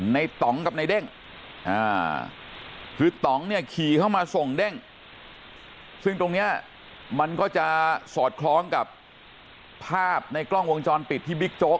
ในตำกับในเต้งคือตำคี่เข้ามาส่งเต้งซึ่งตรงเนี้ยมันก็จะสอดคร้องกับภาพในกล้องวงจรติดที่บิ๊กโจ๊ก